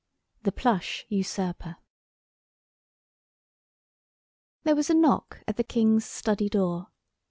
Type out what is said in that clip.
THE PLUSH USURPER THERE was a knock at the King's study door.